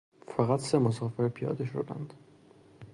فقط سه نفر مسافر پیاده شدند.